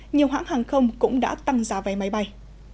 nhiều hãng hàng không cũng đã tăng giá vé máy bay